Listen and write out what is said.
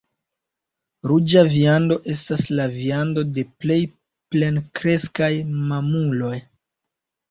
Ruĝa viando estas la viando de plej plenkreskaj mamuloj.